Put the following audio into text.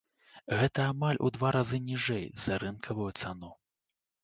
Гэта амаль у два разы ніжэй за рынкавую цану.